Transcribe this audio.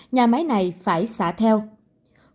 nhà máy này phải xả thẳng